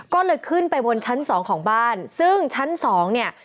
ก็เลยขึ้นไปบนชั้นสองของบ้านซึ่งชั้นสองเนี่ย